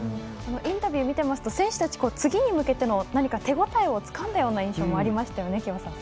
インタビューを見ていますと選手たちは次に向けての手応えをつかんだという印象もありました。